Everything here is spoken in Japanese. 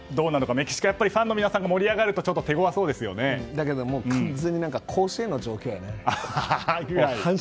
メキシコ、ファンの皆さんが盛り上がるとだけど完全に甲子園の状況やね。